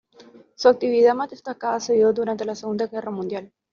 Su actividad más destacada se dio durante la Segunda Guerra Mundial.